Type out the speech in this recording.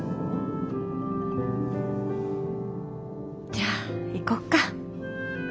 じゃあ行こっか。